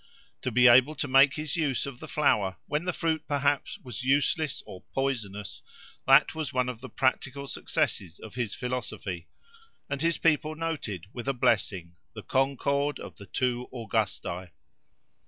To be able to make his use of the flower, when the fruit perhaps was useless or poisonous:—that was one of the practical successes of his philosophy; and his people noted, with a blessing, "the concord of the two Augusti."